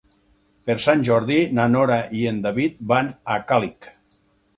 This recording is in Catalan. Per Sant Jordi na Nora i en David van a Càlig.